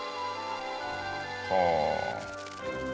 はあ。